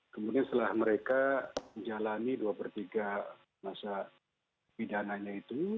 kemudian setelah mereka menjalani dua per tiga masa pidananya itu